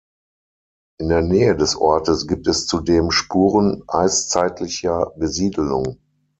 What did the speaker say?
In der Nähe des Ortes gibt es zudem Spuren eiszeitlicher Besiedelung.